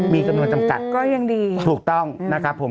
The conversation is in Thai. มีจำนวนจำกัดก็ยังดีถูกต้องนะครับผม